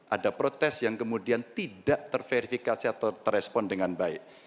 ada protes yang kemudian tidak terverifikasi atau terespon dengan baik